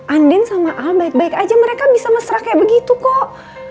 andin sama a baik baik aja mereka bisa mesra kayak begitu kok